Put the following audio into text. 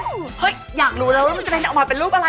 เฮ้ยอยากรู้แล้วว่ามันจะเป็นออกมาเป็นรูปอะไร